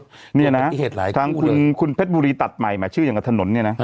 มีอันนี้นะมีเหตุหลายคู่เลยทางคุณคุณเพชรบุรีตัดใหม่หมายชื่ออย่างกับถนนเนี้ยน่ะ